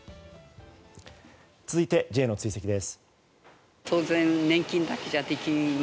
続いて、Ｊの追跡です。